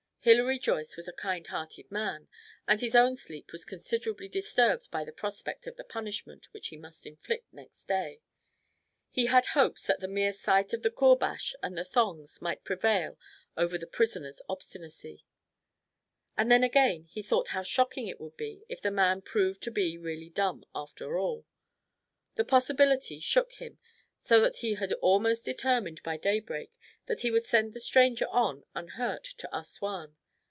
Hilary Joyce was a kind hearted man, and his own sleep was considerably disturbed by the prospect of the punishment which he must inflict next day. He had hopes that the mere sight of the koorbash and the thongs might prevail over his prisoner's obstinacy. And then, again, he thought how shocking it would be if the man proved to be really dumb after all. The possibility shook him so that he had almost determined by daybreak that he would send the stranger on unhurt to Assouan.